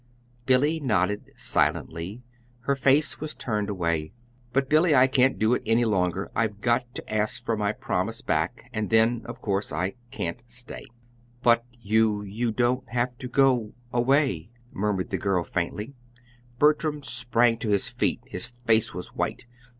Billy nodded silently. Her face was turned away. "But, Billy, I can't do it any longer. I've got to ask for my promise back, and then, of course, I can't stay." "But you you don't have to go away," murmured the girl, faintly. Bertram sprang to his feet. His face was white.